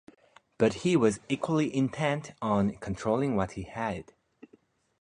But he was equally intent on controlling what he had.